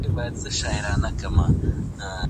زه مخکي سپينکۍ مينځلي وو!!